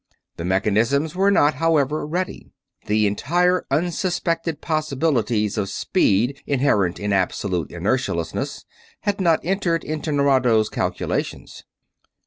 The mechanisms were not, however, ready; the entirely unsuspected possibilities of speed inherent in absolute inertialessness had not entered into Nerado's calculations.